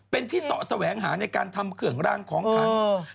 เป็นที่เสาะแสวงหาในการทำเครื่องรางของขัง